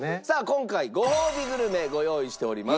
今回ごほうびグルメご用意しております。